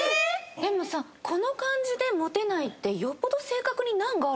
でもさこの感じでモテないってよっぽど性格に難があるとかですか？